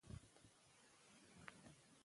د جګړې او سولې رومان د بشریت د ارادې یو انځور دی.